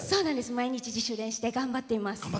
毎日、自主練して頑張っています。